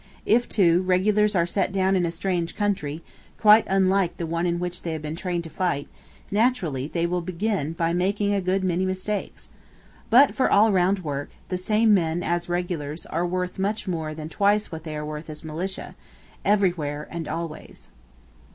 If, too, regulars are set down in a strange country, quite unlike the one in which they have been trained to fight, naturally they will begin by making a good many mistakes. But, for all round work, the same men, as regulars, are worth much more than twice what they are worth as militia, everywhere and always.